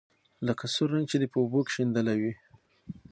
لکه سور رنګ چې دې په اوبو کې شېندلى وي.